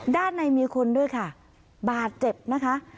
ด้านในมีคนด้วยค่ะบาดเจ็บนะคะ